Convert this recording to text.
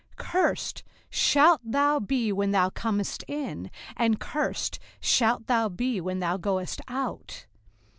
05:028:019 Cursed shalt thou be when thou comest in, and cursed shalt thou be when thou goest out.